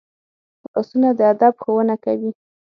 لاسونه د ادب ښوونه کوي